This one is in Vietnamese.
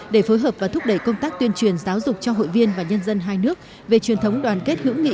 để phối hợp và thúc đẩy công tác tuyên truyền giáo dục cho hội viên và nhân dân hai nước về truyền thống đoàn kết hữu nghị